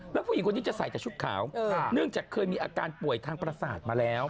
แล้วผู้หญิงคนนี้จะใส่แต่ชุดขาวเนื่องจากเคยมีอาการป่วยทางประสาทมาแล้ว